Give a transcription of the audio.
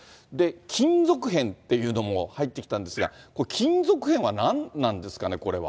金属片っていうのも入ってきたんですが、これ、金属片は何なんですかね、これは。